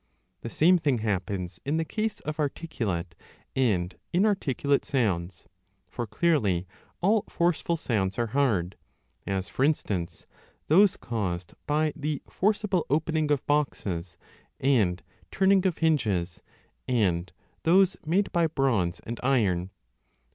The same thing happens in the case of articulate and inarticulate sounds. For clearly all forceful sounds are hard ; as, for instance, 4 o those caused by the forcible opening of boxes and turning of hinges, and those made by bronze and iron.